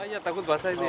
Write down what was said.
oh iya takut basah ini